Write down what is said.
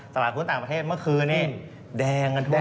ตลาดหุ้นต่างประเทศเมื่อคืนนี้แดงกันทั่ว